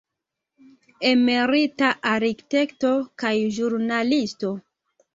Emerita arkitekto kaj ĵurnalisto.